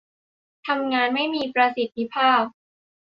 ทำงานไม่มีประสิทธิภาพ